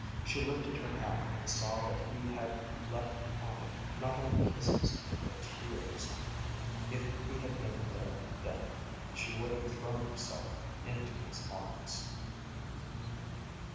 She lifted her hand and saw that he had left on it not only kisses but tears. If he had been there then, she would have thrown herself into his arms.